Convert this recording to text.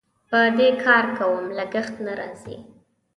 په دې کار کوم لګښت نه راځي.